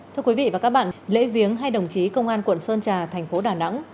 thưa quý vị và các bạn lễ viếng hai đồng chí công an tp đà nẵng